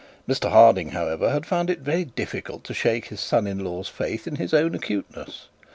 Mr Harding, however, had found it very difficult to shake his son in law's faith in his own acuteness.